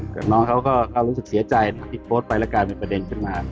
เดี๋ยวน้องเขาก็รู้สึกเสียใจที่โพสต์ไปแล้วก็มีประเด็นขึ้นมา